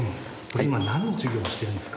今なんの授業をしてるんですか？